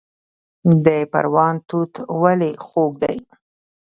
د پروان توت ولې خوږ دي؟